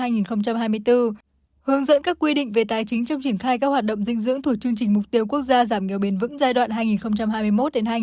hướng dẫn các quy định về tài chính trong triển khai các hoạt động dinh dưỡng thuộc chương trình mục tiêu quốc gia giảm nghèo bền vững giai đoạn hai nghìn hai mươi một hai nghìn ba mươi